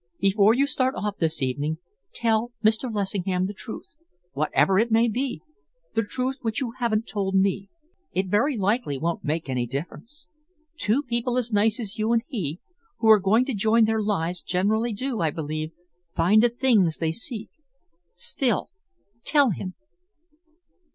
Before you start off this evening, tell Mr. Lessingham the truth, whatever it may be, the truth which you haven't told me. It very likely won't make any difference. Two people as nice as you and he, who are going to join their lives, generally do, I believe, find the things they seek. Still, tell him."